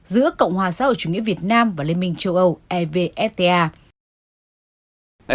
giữa cộng hòa xã hội chủ nghĩa việt nam và liên minh châu âu evfta